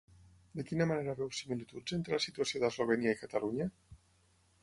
De quina manera veu similituds entre la situació d'Eslovènia i Catalunya?